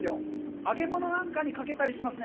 揚げ物なんかにかけたりしますね。